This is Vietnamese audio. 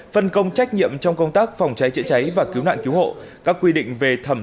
phân công trách nhiệm trong công tác phòng cháy chữa cháy và cứu nạn cứu hộ các quy định về thẩm